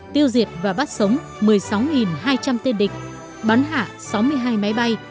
tiêu diệt và bắt sống một mươi sáu hai trăm linh tên địch bắn hạ sáu mươi hai máy bay